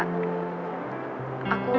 kalau dulu aku